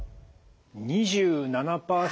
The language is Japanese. ２７％